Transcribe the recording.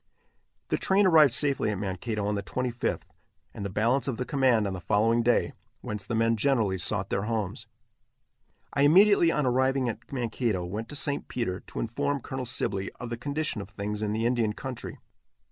The train arrived safely at Mankato on the 25th, and the balance of the command on the following day, whence the men generally sought their homes. I immediately, on arriving at Mankato, went to St. Peter, to inform Colonel Sibley of the condition of things in the Indian country.